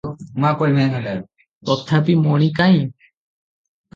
ତଥାପି ମଣି କାଇଁ?